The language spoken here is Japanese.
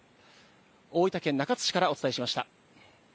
大分県中津市からお伝えしました。